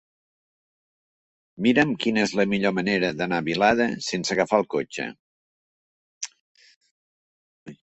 Mira'm quina és la millor manera d'anar a Vilada sense agafar el cotxe.